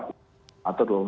ketika di bangun